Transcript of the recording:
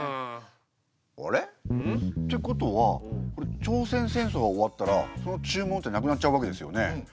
あれ？ってことは朝鮮戦争が終わったらその注文ってなくなっちゃうわけですよね。